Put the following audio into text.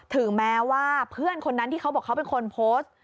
ถึงแม้ว่าเพื่อนคนนั้นที่เขาบอกเขาเป็นคนโพสต์